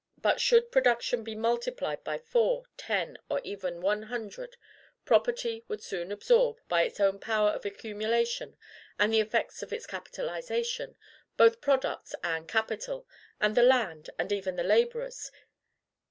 But, should production be multiplied by four, ten, or even one hundred, property would soon absorb, by its power of accumulation and the effects of its capitalization, both products and capital, and the land, and even the laborers.